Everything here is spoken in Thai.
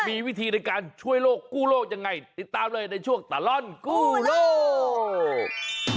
มีวิธีในการช่วยโลกกู้โลกยังไงติดตามเลยในช่วงตลอดกู้โลก